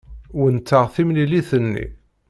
Wennteɣ timlilit-nni.